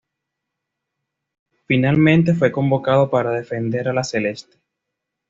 Finalmente fue convocado para defender a la Celeste.